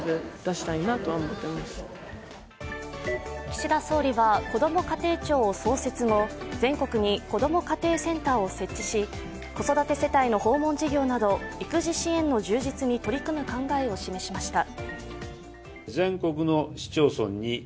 岸田総理はこども家庭庁を創設後全国にこども家庭センターを設置し子育て世帯の訪問事業など、育児支援の充実に取り組む考えを示しました。